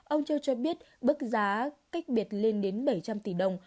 ông châu cho biết bức giá cách biệt lên đến bảy trăm linh tỷ đồng